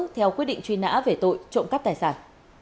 theo quyết định truy nã về tội trộm cắp tài sản